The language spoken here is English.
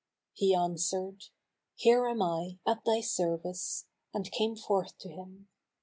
He answered, "Here am I, at thy service;" and came forth to him.